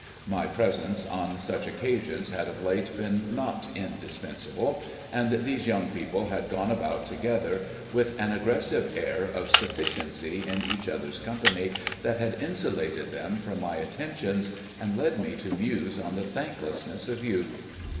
My presence on such occasions had of late been not indispensable; and these young people had gone about together with an aggressive air of sufficiency in each other's company that had insulated them from my attentions and led me to muse on the thanklessness of youth.